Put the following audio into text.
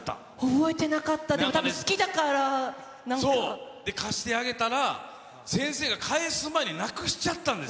覚えてなかった、そう、で、貸してあげたら、先生が返す前になくしちゃったんです。